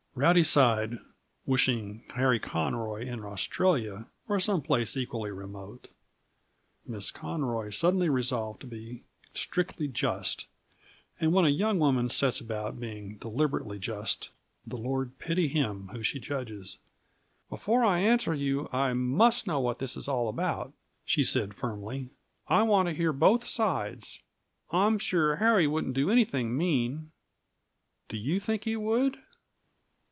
Rowdy sighed, wishing Harry Conroy in Australia, or some place equally remote. Miss Conroy suddenly resolved to be strictly just; and when a young woman sets about being deliberately just, the Lord pity him whom she judges! "Before I answer you, I must know just what all this is about," she said firmly. "I want to hear both sides; I'm sure Harry wouldn't do anything mean. Do you think he would?"